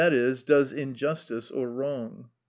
e._, does injustice or wrong.